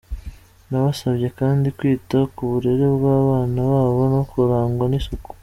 Yanabasabye kandi kwita ku burere bw’abana babo no kurangwa n’isuku.